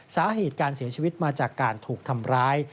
สาเหตุการเสียชีวิตมาจากการถูกทำร้าย